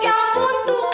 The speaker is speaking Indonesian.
ya ampun tuh